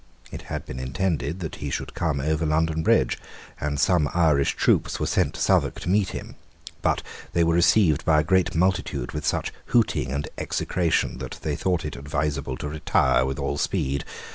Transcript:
It had been intended that he should come over London Bridge; and some Irish troops were sent to Southwark to meet him. But they were received by a great multitude with such hooting and execration that they thought it advisable to retire with all speed.